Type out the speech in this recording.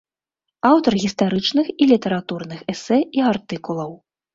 Аўтар гістарычных і літаратурных эсэ і артыкулаў.